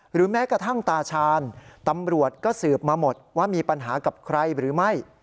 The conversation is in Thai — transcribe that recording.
แม้กระทั่งตาชาญตำรวจก็สืบมาหมดว่ามีปัญหากับใครหรือไม่